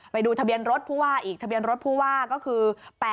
ไปดูทะเบียนรถผู้ว่าอีกทะเบียนรถผู้ว่าก็คือ๘๘